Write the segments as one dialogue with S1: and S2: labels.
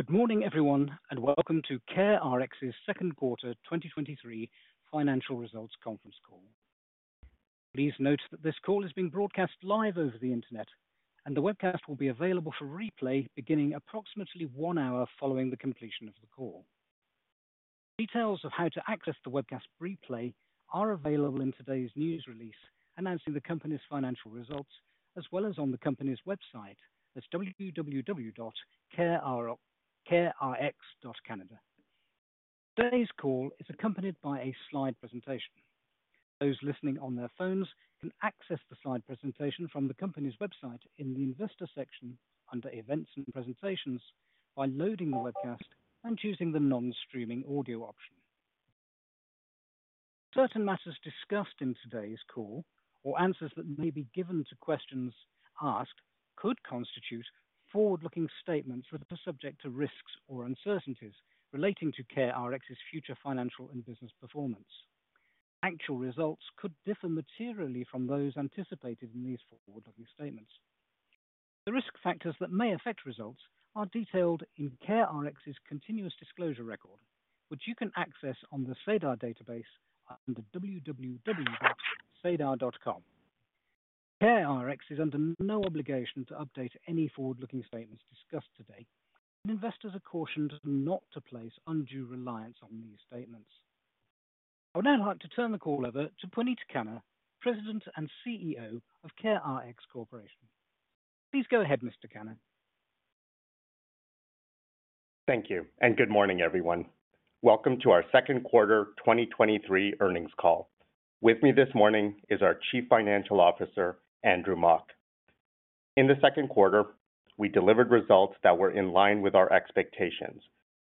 S1: Good morning, everyone, welcome to CareRx's Second Quarter 2023 Financial Results Conference Call. Please note that this call is being broadcast live over the Internet, the webcast will be available for replay beginning approximately one hour following the completion of the call. Details of how to access the webcast replay are available in today's news release, announcing the company's financial results, as well as on the company's website at www.carerx.ca. Today's call is accompanied by a slide presentation. Those listening on their phones can access the slide presentation from the company's website in the Investor section under Events and Presentations by loading the webcast and choosing the non-streaming audio option. Certain matters discussed in today's call or answers that may be given to questions asked, could constitute forward-looking statements that are subject to risks or uncertainties relating to CareRx's future financial and business performance. Actual results could differ materially from those anticipated in these forward-looking statements. The risk factors that may affect results are detailed in CareRx's continuous disclosure record, which you can access on the SEDAR database under www.sedar.com. CareRx is under no obligation to update any forward-looking statements discussed today. Investors are cautioned not to place undue reliance on these statements. I would now like to turn the call over to Puneet Khanna, President and CEO of CareRx Corporation. Please go ahead, Mr. Khanna.
S2: Thank you, good morning, everyone. Welcome to our second quarter 2023 earnings call. With me this morning is our Chief Financial Officer, Andrew Mok. In the second quarter, we delivered results that were in line with our expectations,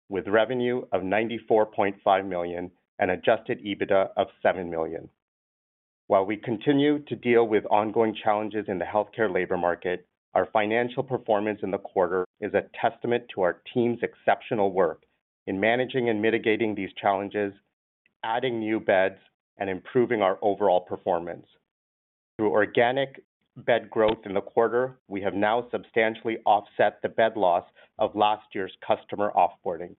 S2: with revenue of $94.5 million and adjusted EBITDA of $7 million. While we continue to deal with ongoing challenges in the healthcare labor market, our financial performance in the quarter is a testament to our team's exceptional work in managing and mitigating these challenges, adding new beds, and improving our overall performance. Through organic bed growth in the quarter, we have now substantially offset the bed loss of last year's customer off-boarding.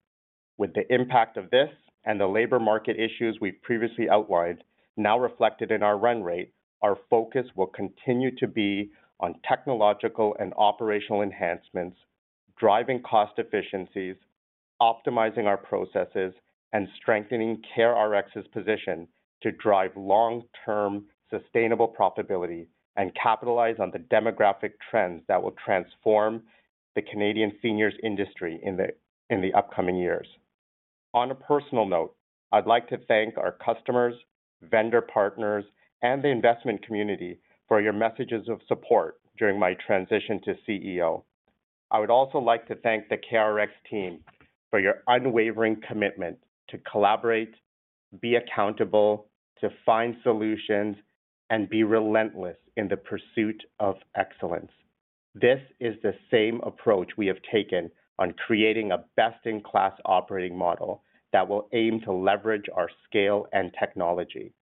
S2: With the impact of this and the labor market issues we've previously outlined now reflected in our run rate, our focus will continue to be on technological and operational enhancements, driving cost efficiencies, optimizing our processes, and strengthening CareRx's position to drive long-term sustainable profitability, and capitalize on the demographic trends that will transform the Canadian seniors industry in the upcoming years. On a personal note, I'd like to thank our customers, vendor partners, and the investment community for your messages of support during my transition to CEO. I would also like to thank the CareRx team for your unwavering commitment to collaborate, be accountable, to find solutions, and be relentless in the pursuit of excellence. This is the same approach we have taken on creating a best-in-class operating model that will aim to leverage our scale and technology.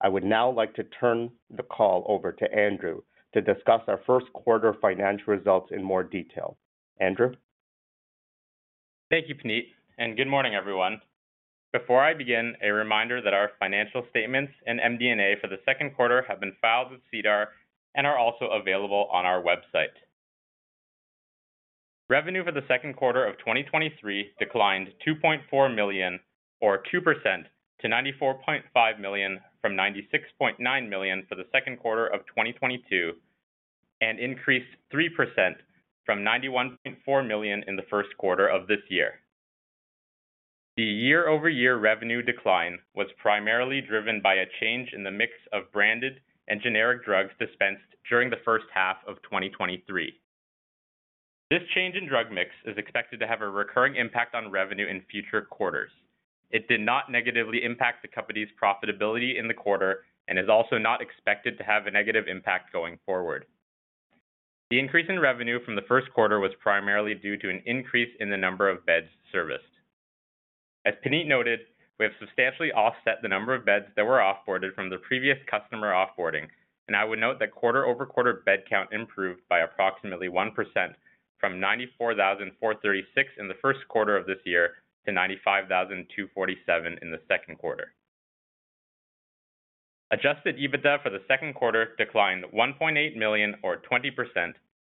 S2: I would now like to turn the call over to Andrew to discuss our first quarter financial results in more detail. Andrew?
S3: Thank you, Puneet. Good morning, everyone. Before I begin, a reminder that our financial statements and MD&A for the second quarter have been filed with SEDAR and are also available on our website. Revenue for the second quarter of 2023 declined $2.4 million, or 2% to $94.5 million, from $96.9 million for the second quarter of 2022, and increased 3% from $91.4 million in the first quarter of this year. The year-over-year revenue decline was primarily driven by a change in the mix of branded and generic drugs dispensed during the first half of 2023. This change in drug mix is expected to have a recurring impact on revenue in future quarters. It did not negatively impact the company's profitability in the quarter and is also not expected to have a negative impact going forward. The increase in revenue from the first quarter was primarily due to an increase in the number of beds serviced. As Puneet noted, we have substantially offset the number of beds that were off-boarded from the previous customer off-boarding. I would note that quarter-over-quarter bed count improved by approximately 1%, from 94,436 in the first quarter of this year to 95,247 in the second quarter. Adjusted EBITDA for the second quarter declined $1.8 million or 20%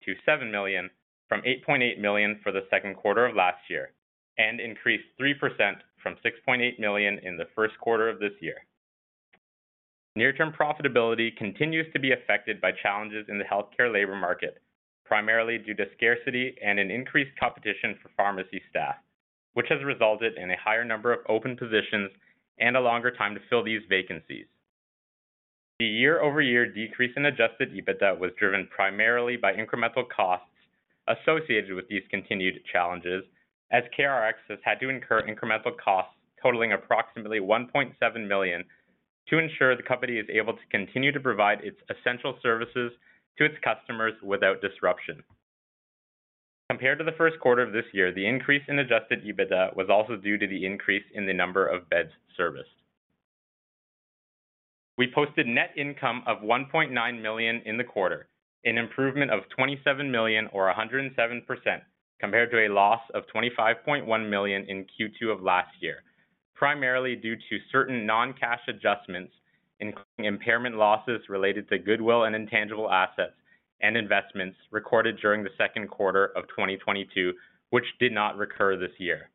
S3: to $7 million, from $8.8 million for the second quarter of last year, and increased 3% from $6.8 million in the first quarter of this year. Near-term profitability continues to be affected by challenges in the healthcare labor market, primarily due to scarcity and an increased competition for pharmacy staff, which has resulted in a higher number of open positions and a longer time to fill these vacancies. The year-over-year decrease in Adjusted EBITDA was driven primarily by incremental costs associated with these continued challenges, as CareRx has had to incur incremental costs totaling approximately 1.7 million to ensure the company is able to continue to provide its essential services to its customers without disruption. Compared to the first quarter of this year, the increase in Adjusted EBITDA was also due to the increase in the number of beds serviced.... We posted net income of $1.9 million in the quarter, an improvement of $27 million or 107%, compared to a loss of $25.1 million in Q2 of last year, primarily due to certain non-cash adjustments, including impairment losses related to goodwill and intangible assets and investments recorded during the second quarter of 2022, which did not recur this year.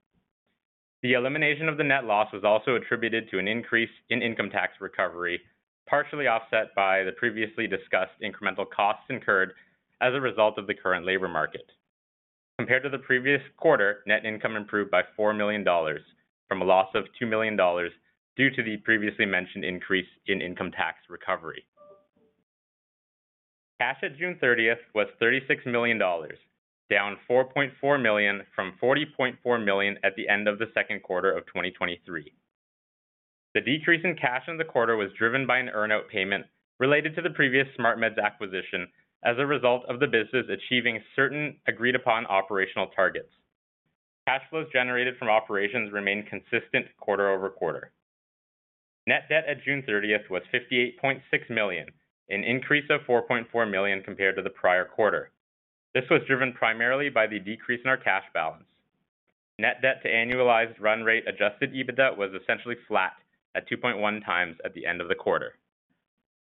S3: The elimination of the net loss was also attributed to an increase in income tax recovery, partially offset by the previously discussed incremental costs incurred as a result of the current labor market. Compared to the previous quarter, net income improved by $4 million from a loss of $2 million due to the previously mentioned increase in income tax recovery. Cash at June 30th was $36 million, down $4.4 million from $40.4 million at the end of the second quarter of 2023. The decrease in cash in the quarter was driven by an earn-out payment related to the previous SmartMeds acquisition as a result of the business achieving certain agreed-upon operational targets. Cash flows generated from operations remained consistent quarter-over-quarter. Net debt at June 30th was $58.6 million, an increase of $4.4 million compared to the prior quarter. This was driven primarily by the decrease in our cash balance. Net debt to annualized run rate Adjusted EBITDA was essentially flat at 2.1x at the end of the quarter.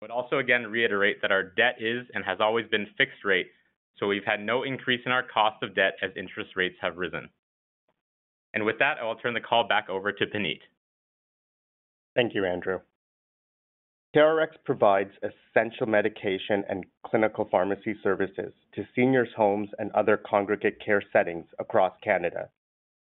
S3: Also, again, to reiterate that our debt is and has always been fixed rate, so we've had no increase in our cost of debt as interest rates have risen. With that, I will turn the call back over to Puneet.
S2: Thank you, Andrew. CareRx provides essential medication and clinical pharmacy services to seniors' homes and other congregate care settings across Canada.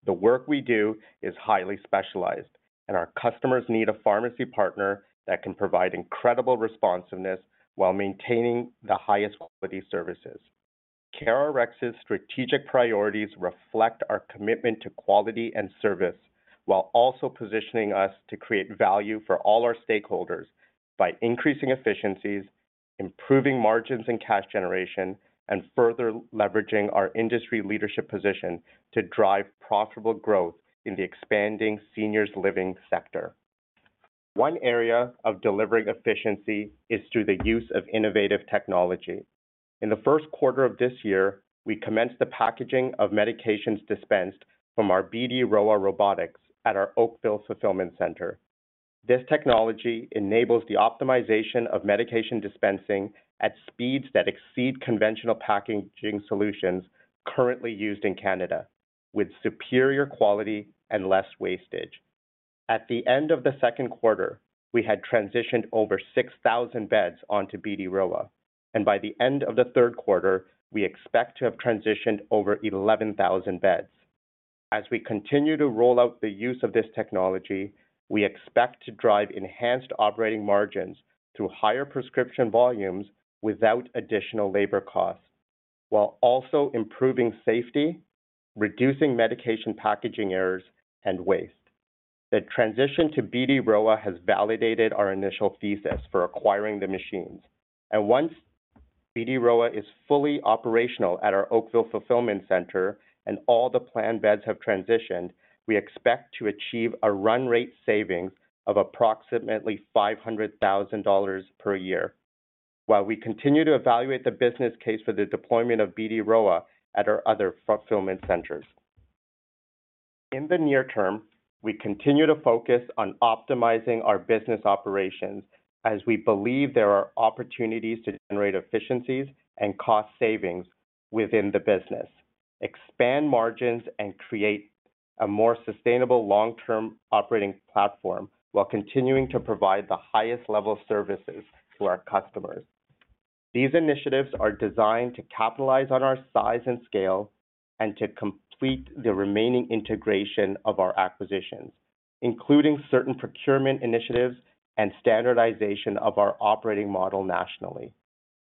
S2: The work we do is highly specialized, and our customers need a pharmacy partner that can provide incredible responsiveness while maintaining the highest quality services. CareRx's strategic priorities reflect our commitment to quality and service, while also positioning us to create value for all our stakeholders by increasing efficiencies, improving margins and cash generation, and further leveraging our industry leadership position to drive profitable growth in the expanding seniors living sector. One area of delivering efficiency is through the use of innovative technology. In the first quarter of this year, we commenced the packaging of medications dispensed from our BD Rowa robotics at our Oakville Fulfillment Center. This technology enables the optimization of medication dispensing at speeds that exceed conventional packaging solutions currently used in Canada, with superior quality and less wastage. At the end of the second quarter, we had transitioned over 6,000 beds onto BD Rowa, and by the end of the third quarter, we expect to have transitioned over 11,000 beds. As we continue to roll out the use of this technology, we expect to drive enhanced operating margins through higher prescription volumes without additional labor costs, while also improving safety, reducing medication packaging errors and waste. The transition to BD Rowa has validated our initial thesis for acquiring the machines, and once BD Rowa is fully operational at our Oakville Fulfillment Center and all the planned beds have transitioned, we expect to achieve a run rate savings of approximately $500,000 per year, while we continue to evaluate the business case for the deployment of BD Rowa at our other fulfillment centers. In the near term, we continue to focus on optimizing our business operations as we believe there are opportunities to generate efficiencies and cost savings within the business, expand margins, and create a more sustainable long-term operating platform while continuing to provide the highest level of services to our customers. These initiatives are designed to capitalize on our size and scale and to complete the remaining integration of our acquisitions, including certain procurement initiatives and standardization of our operating model nationally.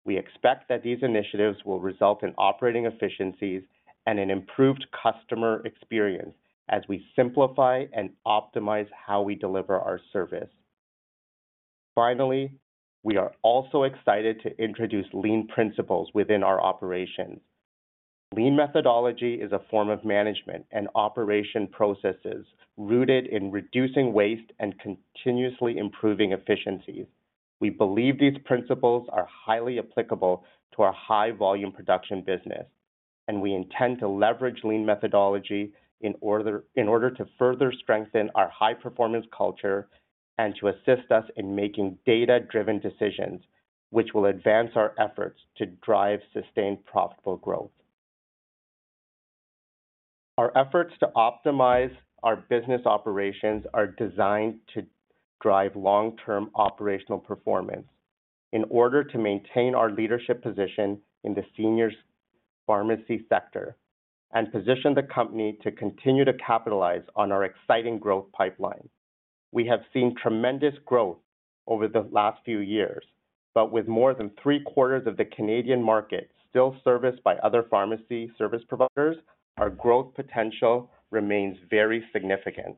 S2: We expect that these initiatives will result in operating efficiencies and an improved customer experience as we simplify and optimize how we deliver our service. Finally, we are also excited to introduce Lean principles within our operations. Lean methodology is a form of management and operation processes rooted in reducing waste and continuously improving efficiencies. We believe these principles are highly applicable to our high-volume production business, and we intend to leverage Lean methodology in order to further strengthen our high-performance culture and to assist us in making data-driven decisions, which will advance our efforts to drive sustained, profitable growth. Our efforts to optimize our business operations are designed to drive long-term operational performance in order to maintain our leadership position in the seniors pharmacy sector and position the company to continue to capitalize on our exciting growth pipeline. We have seen tremendous growth over the last few years, but with more than three-quarters of the Canadian market still serviced by other pharmacy service providers, our growth potential remains very significant.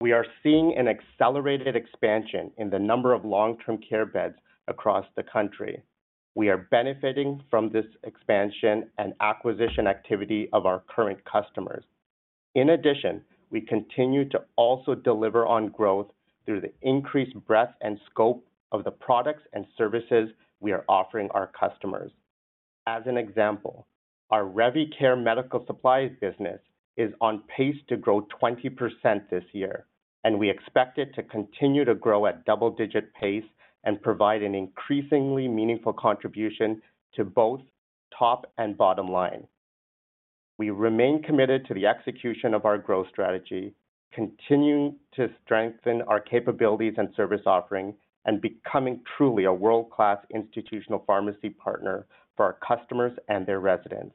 S2: We are seeing an accelerated expansion in the number of long-term care beds across the country. We are benefiting from this expansion and acquisition activity of our current customers. In addition, we continue to also deliver on growth through the increased breadth and scope of the products and services we are offering our customers. As an example, our Revicare medical supplies business is on pace to grow 20% this year, and we expect it to continue to grow at double-digit pace and provide an increasingly meaningful contribution to both top and bottom line. We remain committed to the execution of our growth strategy, continuing to strengthen our capabilities and service offering, and becoming truly a world-class institutional pharmacy partner for our customers and their residents.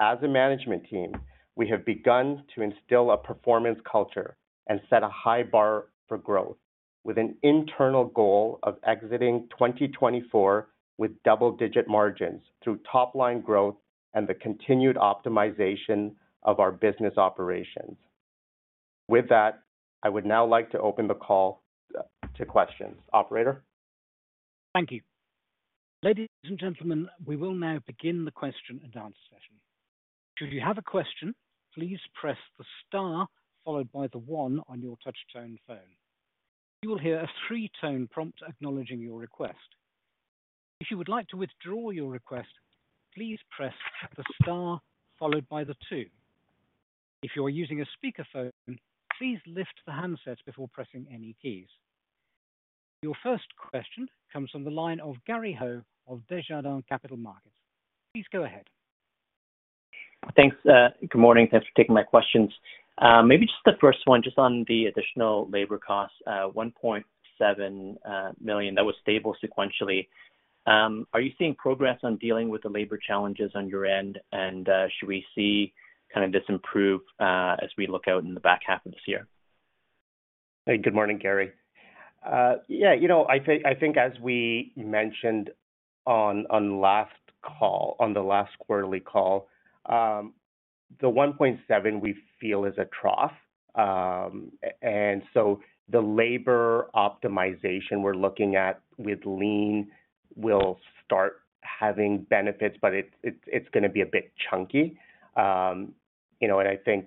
S2: As a management team, we have begun to instill a performance culture and set a high bar for growth, with an internal goal of exiting 2024 with double-digit margins through top-line growth and the continued optimization of our business operations. With that, I would now like to open the call to questions. Operator?
S1: Thank you. Ladies and gentlemen, we will now begin the question and answer session. Should you have a question, please press the star followed by the one on your touchtone phone. You will hear a 3-tone prompt acknowledging your request. If you would like to withdraw your request, please press the star followed by the two. If you are using a speakerphone, please lift the handset before pressing any keys. Your first question comes from the line of Gary Ho of Desjardins Capital Markets. Please go ahead.
S4: Thanks. Good morning. Thanks for taking my questions. Maybe just the first one, just on the additional labor costs, $1.7 million, that was stable sequentially. Are you seeing progress on dealing with the labor challenges on your end? Should we see kind of this improve as we look out in the back half of this year?
S2: Hey, good morning, Gary. Yeah, you know, I think, I think as we mentioned on, on last call, on the last quarterly call, the 1.7, we feel, is a trough. The labor optimization we're looking at with Lean will start having benefits, but it's, it's, it's gonna be a bit chunky. You know, I think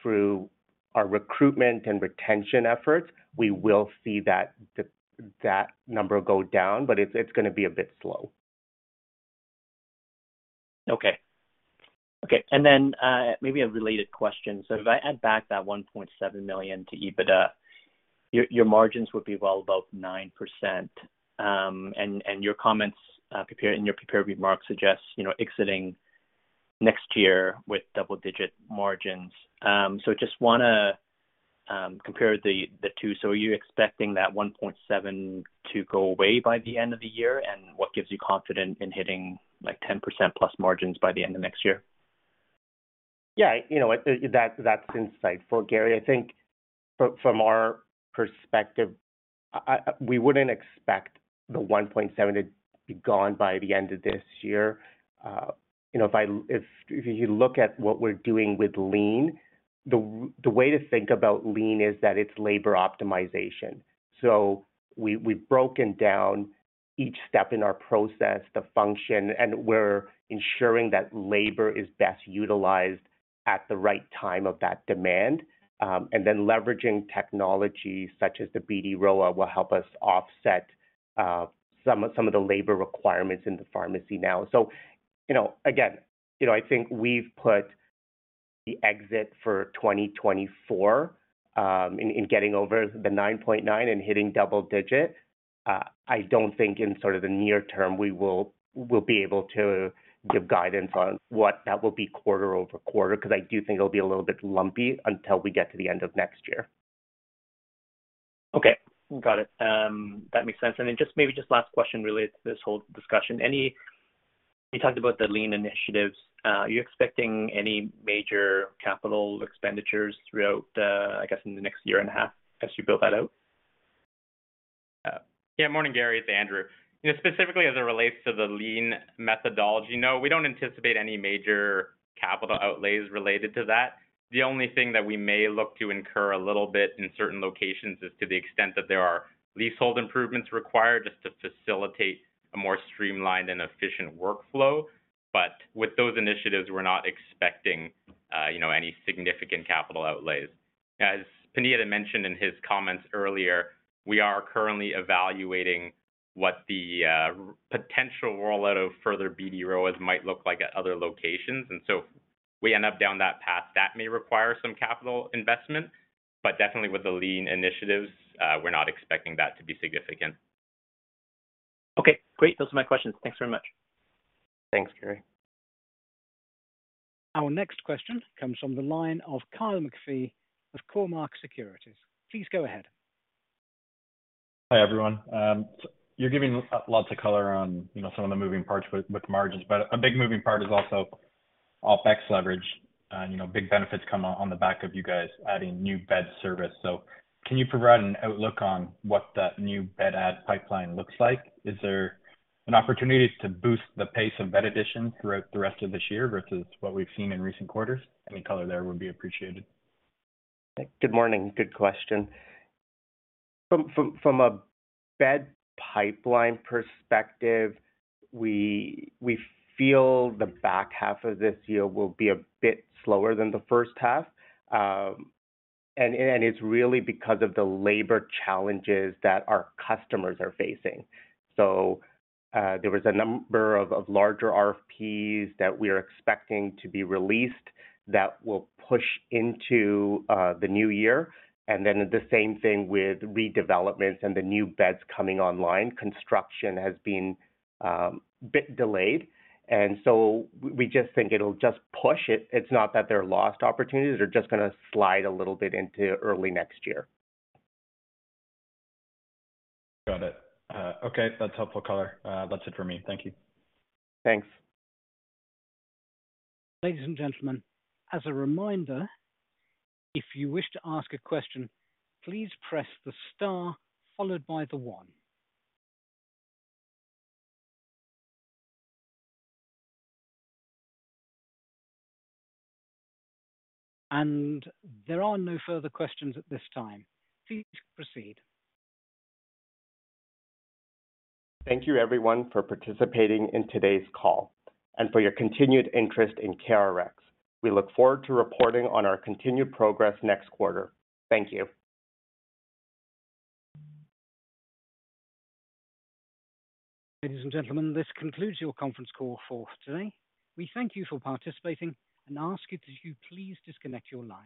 S2: through our recruitment and retention efforts, we will see that, that number go down, but it's, it's gonna be a bit slow.
S4: Okay. Okay. Then, maybe a related question. If I add back that $1.7 million to EBITDA, your margins would be well above 9%. And your comments, in your prepared remarks suggest, you know, exiting next year with double-digit margins. Just wanna compare the two. Are you expecting that $1.7 million to go away by the end of the year, and what gives you confidence in hitting, like, 10%+ margins by the end of next year?
S2: Yeah, you know what? That, that's insightful, Gary. I think from, from our perspective, I, I... we wouldn't expect the 1.7 to be gone by the end of this year. You know, if I, if, if you look at what we're doing with Lean, the way to think about Lean is that it's labor optimization. We, we've broken down each step in our process, the function, and we're ensuring that labor is best utilized at the right time of that demand. Then leveraging technology such as the BD Rowa will help us offset some, some of the labor requirements in the pharmacy now. You know, again, you know, I think we've put the exit for 2024, in, in getting over the 9.9 and hitting double digit. I don't think in sort of the near term, we'll be able to give guidance on what that will be quarter-over-quarter, because I do think it'll be a little bit lumpy until we get to the end of next year.
S4: Okay, got it. That makes sense. Just, maybe just last question related to this whole discussion. You talked about the Lean initiatives. Are you expecting any major capital expenditures throughout the, I guess, in the next year and a half as you build that out?
S3: Yeah. Morning, Gary, it's Andrew. You know, specifically as it relates to the Lean methodology, no, we don't anticipate any major capital outlays related to that. The only thing that we may look to incur a little bit in certain locations is to the extent that there are leasehold improvements required just to facilitate a more streamlined and efficient workflow. With those initiatives, we're not expecting, you know, any significant capital outlays. As Puneet had mentioned in his comments earlier, we are currently evaluating what the potential rollout of further BD Rowa might look like at other locations. So if we end up down that path, that may require some capital investment, but definitely with the Lean initiatives, we're not expecting that to be significant.
S4: Okay, great. Those are my questions. Thanks very much.
S2: Thanks, Gary.
S1: Our next question comes from the line of Kyle McPhee of Cormark Securities. Please go ahead.
S5: Hi, everyone. You're giving lots of color on, you know, some of the moving parts with, with margins, but a big moving part is also OpEx leverage. You know, big benefits come on the back of you guys adding new bed service. Can you provide an outlook on what that new bed add pipeline looks like? Is there an opportunity to boost the pace of bed addition throughout the rest of this year versus what we've seen in recent quarters? Any color there would be appreciated.
S2: Good morning. Good question. From a bed pipeline perspective, we, we feel the back half of this year will be a bit slower than the first half. It's really because of the labor challenges that our customers are facing. There was a number of larger RFPs that we're expecting to be released that will push into the new year. The same thing with redevelopments and the new beds coming online. Construction has been a bit delayed. We just think it'll just push it. It's not that they're lost opportunities, they're just gonna slide a little bit into early next year.
S5: Got it. Okay, that's helpful color. That's it for me. Thank you.
S2: Thanks.
S1: Ladies and gentlemen, as a reminder, if you wish to ask a question, please press the star followed by the one. There are no further questions at this time. Please proceed.
S2: Thank you, everyone, for participating in today's call and for your continued interest in CareRx. We look forward to reporting on our continued progress next quarter. Thank you.
S1: Ladies and gentlemen, this concludes your conference call for today. We thank you for participating and ask you to please disconnect your line.